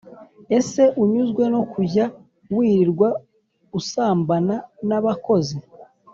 ese unyuzwe no kujya wirirwa usambana na bakozi